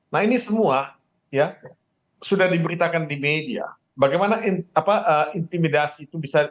nah ini semua ya sudah diberitakan di media bagaimana intimidasi itu bisa